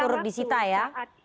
harusnya turut disita ya